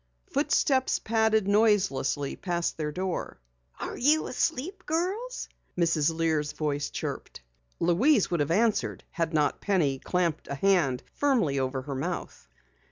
Footsteps padded noiselessly past their door. "Are you asleep, girls?" Mrs. Lear's voice chirped. Louise would have answered had not Penny clapped a hand firmly over her mouth.